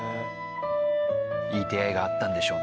いい出会いがあったんでしょうね。